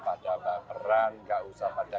pada baperan nggak usah pada